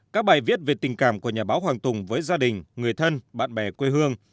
các bài viết về tình cảm của nhà báo hoàng tùng với gia đình người thân bạn bè quê hương